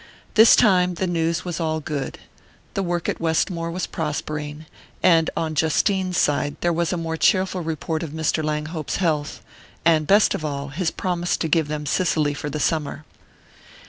This time the news was all good: the work at Westmore was prospering, and on Justine's side there was a more cheerful report of Mr. Langhope's health, and best of all his promise to give them Cicely for the summer.